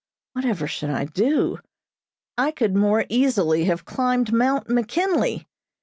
Whatever should I do? I could more easily have climbed Mt. McKinley!